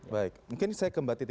baik mungkin saya ke mbak titi